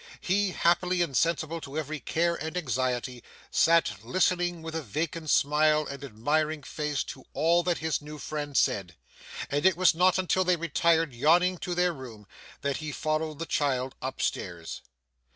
He, happily insensible to every care and anxiety, sat listening with a vacant smile and admiring face to all that his new friend said; and it was not until they retired yawning to their room, that he followed the child up stairs.